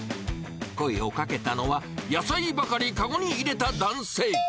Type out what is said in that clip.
声をかけたのは、野菜ばかり籠に入れた男性。